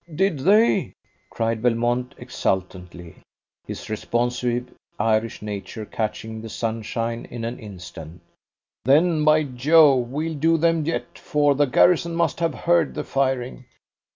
"Did they?" cried Belmont exultantly, his responsive Irish nature catching the sunshine in an instant. "Then, be Jove, we'll do them yet, for the garrison must have heard the firing.